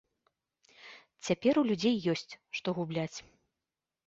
Цяпер у людзей ёсць, што губляць.